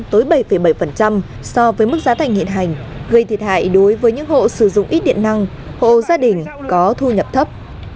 giảm tối bảy bảy so với mức giá thành hiện hành gây thiệt hại đối với những hộ sử dụng ít điện năng hộ gia đình có thu nhập thấp